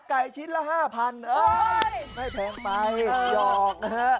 ไก่ชิ้นละ๕๐๐๐บาทโอ้โฮไม่แพงไหมยอกนะฮะ